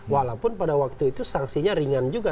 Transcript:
walaupun pada waktu itu sanksinya ringan juga